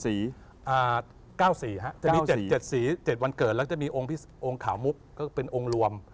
จะมี๗สี๗วันเกิดแล้วก็จะมีองค์ขาวมุกก็เป็นองค์รวม